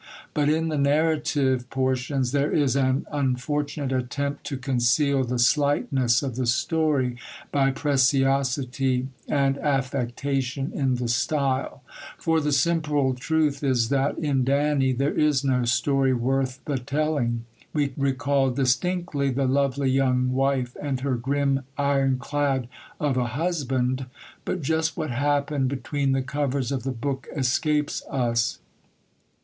But in the narrative portions there is an unfortunate attempt to conceal the slightness of the story by preciosity and affectation in the style. For the simple truth is that in Danny there is no story worth the telling. We recall distinctly the lovely young wife and her grim ironclad of a husband, but just what happened between the covers of the book escapes us.